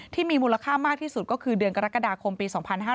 ที่มีมูลค่ามากที่สุดก็คือเดือนกรกฎาคมปี๒๕๕๙